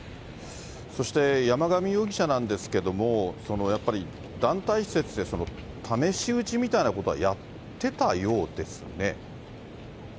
そして山上容疑者なんですけれども、やっぱり、団体施設で試し撃ちみたいなことはやってたようですね。